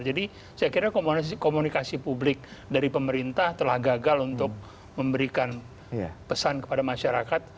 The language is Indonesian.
jadi saya kira komunikasi publik dari pemerintah telah gagal untuk memberikan pesan kepada masyarakat